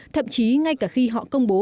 thậm chí ngay cả khi họ công bố